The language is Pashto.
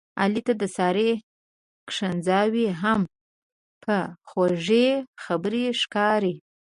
علي ته د سارې کنځاوې هم په خوږې خبرې ښکاري.